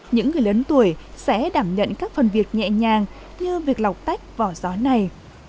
những người lớn tuổi sẽ đảm nhận các phần việc nhẹ nhàng như việc lọc tách vỏ gió này